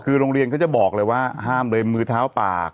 คือโรงเรียนเขาจะบอกเลยว่าห้ามเลยมือเท้าปาก